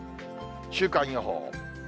週間予報。